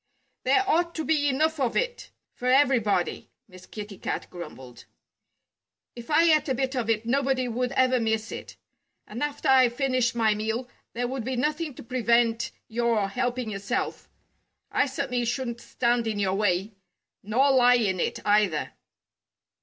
"There ought to be enough of it for everybody," Miss Kitty Cat grumbled. "If I ate a bit of it nobody would ever miss it. And after I've finished my meal there would be nothing to prevent your helping yourself. I certainly shouldn't stand in your way nor lie in it, either."